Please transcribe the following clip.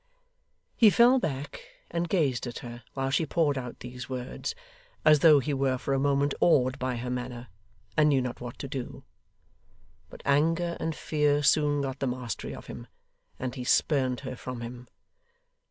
He fell back and gazed at her while she poured out these words, as though he were for a moment awed by her manner, and knew not what to do. But anger and fear soon got the mastery of him, and he spurned her from him.